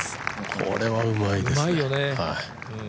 これはうまいですね。